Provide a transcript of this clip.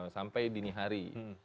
sampai dini hari